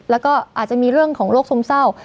แล้วก็อาจจะมีเรื่องของโรคซึมเศร้า